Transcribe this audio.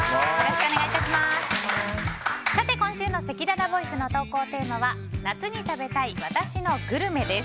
今週のせきららボイスの投稿テーマは夏に食べたい私のグルメです。